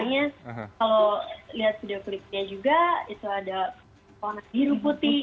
soalnya kalau lihat video klipnya juga itu ada warna biru putih